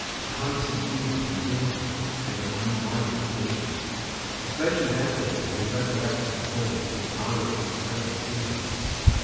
A constant fever consumed her, and her mind wandered occasionally, especially that day when the recollections of home seemed powerfully present to her.